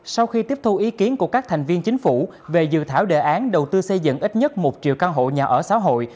sau khi tiếp thu ý kiến của các thành viên chính phủ về dự thảo đề án đầu tư xây dựng ít nhất một triệu căn hộ nhà ở xã hội